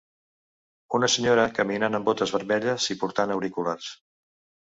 Una senyora caminant amb botes vermelles i portant auriculars.